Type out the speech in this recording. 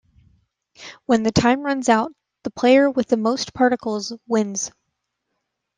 When the time runs out, the player with the most particles wins.